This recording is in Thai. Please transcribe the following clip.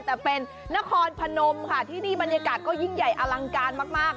แต่เป็นนครพนมค่ะที่นี่บรรยากาศก็ยิ่งใหญ่อลังการมาก